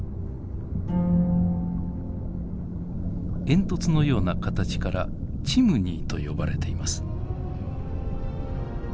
煙突のような形からチムニーと呼ばれています。